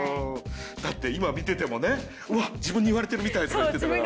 だって今見ててもね「うわっ自分に言われてるみたい」とか言ってたから。